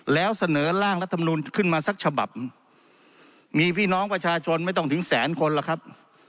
แล้วเสนอร่างรัฐมนุนขึ้นมาสักฉบับมีพี่น้องประชาชนไม่ต้องถึงแสนคนล่ะครับ